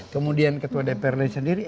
kemudian ketua dpr lain sendiri